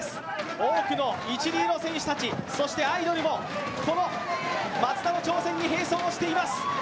多くの一流の選手たち、そしてアイドルもこの松田の挑戦に並走をしています。